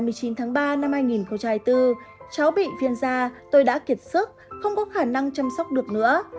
bé sinh ngày hai mươi chín tháng ba năm hai nghìn bốn cháu bị viên ra tôi đã kiệt sức không có khả năng chăm sóc được nữa